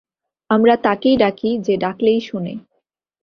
আমরা তাকেই ডাকি যে ডাকলেই শুনে।